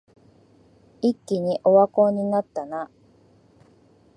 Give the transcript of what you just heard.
一気にオワコンになったな